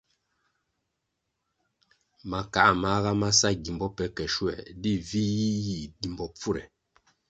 Makā māga ma sa gimbo pe ke schuoē, di vih yih gimbo pfure.